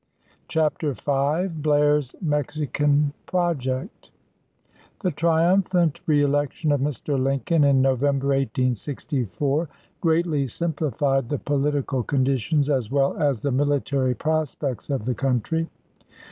CHAPTER V BLAIR'S MEXICAN PROJECT THE triumphant reelection of Mr. Lincoln in chap. v. November, 1864, greatly simplified the politi cal conditions as well as the military prospects of the country.